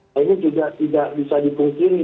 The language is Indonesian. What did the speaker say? nah ini juga tidak bisa dipungkiri